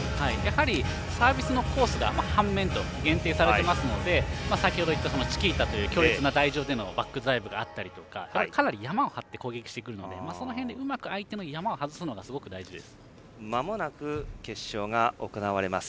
サービスのコースが半面と限定されていますので先ほど言ったチキータという台上での強烈なバックドライブがあったりとかかなりヤマを張って攻撃してくるのでその辺、相手のヤマを外すのが大事です。